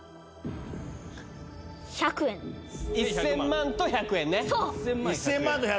１０００万と１００円。